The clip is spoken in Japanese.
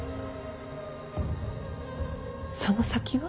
その先は？